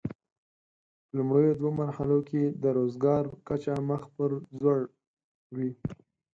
په لومړیو دوو مرحلو کې د روزګار کچه مخ پر ځوړ وي.